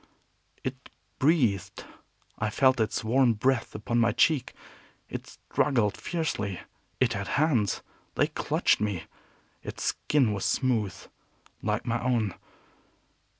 It breathed. I felt its warm breath upon my cheek. It struggled fiercely. It had hands. They clutched me. Its skin was smooth, like my own.